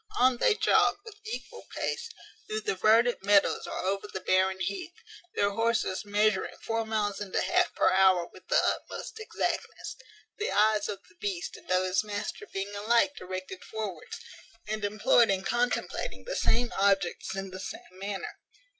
On they jog, with equal pace, through the verdant meadows or over the barren heath, their horses measuring four miles and a half per hour with the utmost exactness; the eyes of the beast and of his master being alike directed forwards, and employed in contemplating the same objects in the same manner.